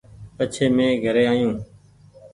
پڇي مين گھري آيو ۔